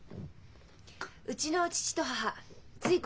うちの父と母つい